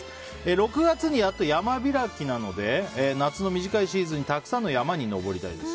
６月になると山開きなので夏の短いシーズンにたくさんの山に登りたいです。